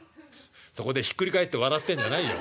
そこでひっくり返って笑ってんじゃないよ。